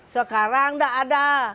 sekarang tidak ada